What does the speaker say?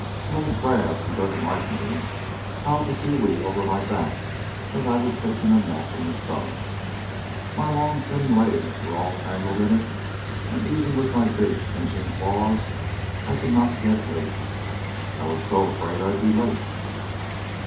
"An old crab, who doesn't like me, piled the seaweed over my back as I was taking a nap in the sun. My long thin legs were all tangled in it, and even with my big pinching claws I could not get loose, and I was so afraid I'd be late."